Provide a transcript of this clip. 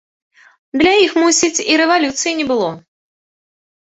Для іх, мусіць, і рэвалюцыі не было.